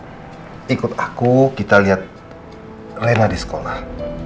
bagaimana kalau kamu ikut aku kita lihat reina disekolah